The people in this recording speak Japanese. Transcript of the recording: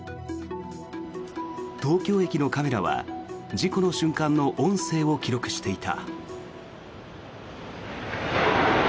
東京駅のカメラは事故の瞬間の音声を記録していた。